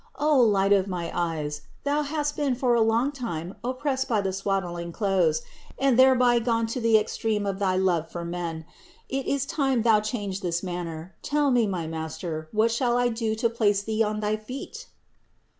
O, Light of my eyes, Thou hast been for a long time oppressed by the swaddling clothes and thereby gone to the extreme of thy love for men ; it is time Thou change this manner. Tell me, my Master, what shall I do to place Thee on thy feet